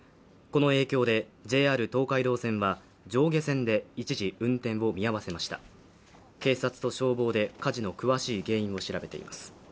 この影響でＪＲ東海道線は上下線で一時運転を見合わせました警察と消防で火事の詳しい原因を調べています